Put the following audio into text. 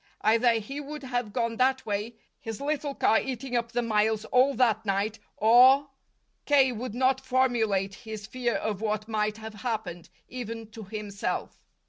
Either he would have gone that way, his little car eating up the miles all that night, or K. would not formulate his fear of what might have happened, even to himself.